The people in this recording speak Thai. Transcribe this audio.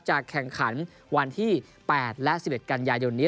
จะแข่งขันวันที่๘และ๑๑กันยายนนี้